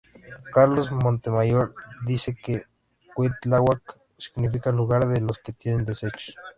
Carlos Montemayor dice que Cuitláhuac significa "Lugar de los que tienen desechos".